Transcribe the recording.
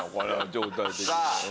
状態的に。